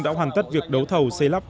đã hoàn tất việc đấu thầu xây lắp